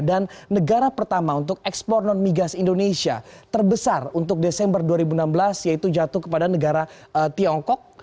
negara pertama untuk ekspor non migas indonesia terbesar untuk desember dua ribu enam belas yaitu jatuh kepada negara tiongkok